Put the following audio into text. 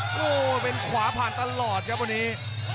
โอ้โหเป็นขวาผ่านตลอดครับวันนี้